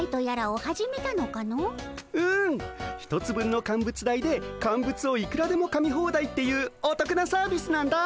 うん１つ分の乾物代で乾物をいくらでもかみホーダイっていうおとくなサービスなんだ。